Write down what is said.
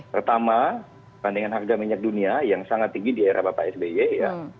pertama bandingkan harga minyak dunia yang sangat tinggi di era bapak sby ya